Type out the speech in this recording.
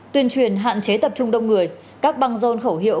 tuyên truyền hạn chế tập trung đông người các băng rôn khẩu hiệu